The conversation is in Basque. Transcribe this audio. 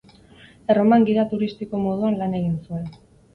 Erroman gida turistiko moduan lan egin zuen.